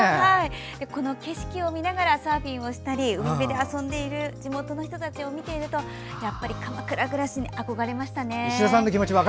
この景色を見ながらサーフィンをしたり海辺で遊んでいたりする地元の人たちを見ているとやっぱり鎌倉暮らしに憧れましたね。